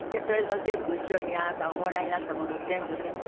それの全部後ろにあなたがおもらいになったもの全部ね。